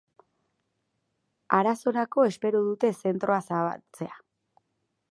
Arazorako espero dute zentroa zabaltzea.